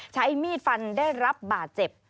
ใช้มีดฟันได้รับบาดเจ็บ